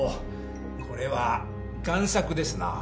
これは贋作ですな。